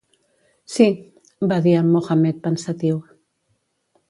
"Sí", va dir en Mohammed pensatiu.